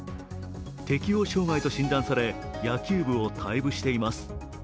適応障害と診断され野球部を退部しています。